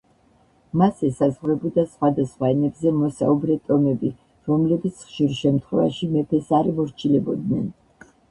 მას ესაზღვრებოდა სხვადასხვა ენებზე მოსაუბრე ტომები, რომლებიც ხშირ შემთხვევაში მეფეს არ ემორჩილებოდნენ.